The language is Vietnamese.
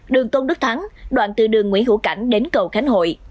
đường tôn đức thắng đoạn từ đường nguyễn hữu cảnh đến cầu khánh hội